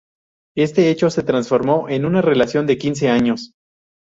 Este hecho se transformó en una relación de quince años.